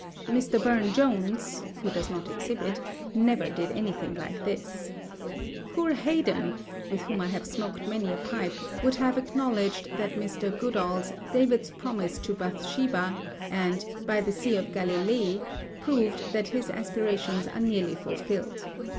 Mr. Burne Jones (who does not exhibit) never did anything like this. Poor Haydon, with whom I have smoked many a pipe, would have acknowledged that Mr. Goodall's "David's Promise to Bathsheba" and "By the Sea of Galilee" prove that his aspirations are nearly fulfilled.